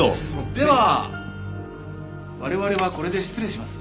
では我々はこれで失礼します。